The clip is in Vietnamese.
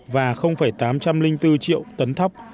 và tám trăm linh bốn triệu tấn thóc